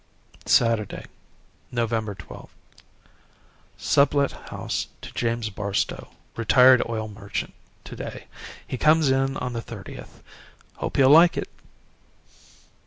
"Saturday, November 12th. Sublet house to James Barstow, retired oil merchant, to day. He comes in on the 30th. Hope he'll like it!